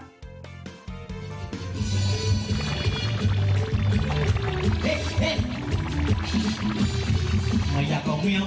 เพราะเพื่อนมันเยอะเพราะเพื่อนมันเยอะ